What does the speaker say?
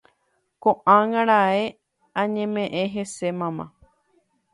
Ko'ág̃a raẽ añeme'ẽ hese mama